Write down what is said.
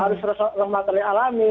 harus remah terlihat alami